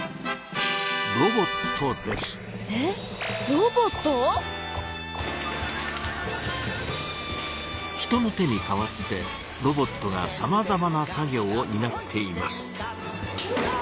ロボット⁉人の手に代わってロボットがさまざまな作業をになっています。